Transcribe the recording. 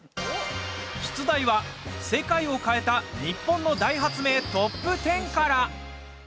出題は世界を変えたニッポンの大発明トップ１０から！